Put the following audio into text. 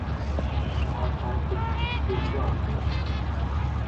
তার সাহস ও স্থৈর্য আছে।